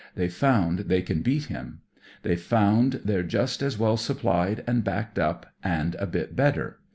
They've found they can beat him. They've found they're just as well supplied and backed up, and a bit better.